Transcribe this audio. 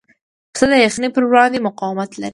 پسه د یخنۍ پر وړاندې مقاومت لري.